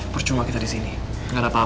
percuma kita disini gak ada apa apa